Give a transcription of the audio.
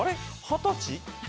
二十歳？